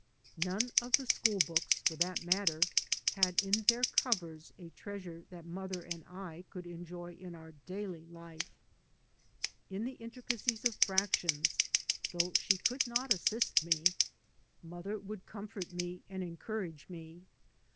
None of the school books, for that matter, had in their covers a treasure that mother and I could enjoy in our daily life. In the intricacies of fractions, though she could not assist me, mother would by Google MY MOTHER AND I comfort me and encourage me.